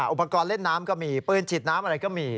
อุปกรณ์เล่นน้ำก็มีปืนฉีดน้ำอะไรก็มี